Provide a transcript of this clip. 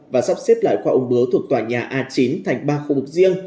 và sắp xếp lại khoa ung bứa thuộc tòa nhà a chín thành ba khu vực riêng